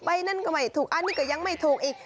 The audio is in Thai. นั่นก็ไม่ถูกอันนี้ก็ยังไม่ถูกอีก